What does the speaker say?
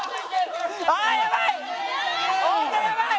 あやばい！